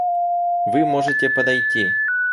Вы можете подойти.